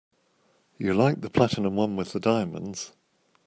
You liked the platinum one with the diamonds.